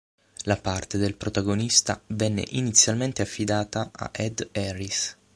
La parte del protagonista venne inizialmente affidata a Ed Harris.